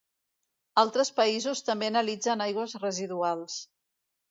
Altres països també analitzen aigües residuals.